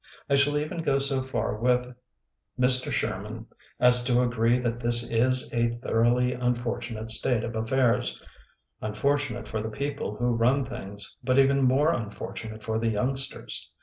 I shall even go so far with Mr. Sherman as to agree that this is a thoroughly unfortunate state of af fairs— unfortunate for the people who run things, but even more unfortunate for the youngsters.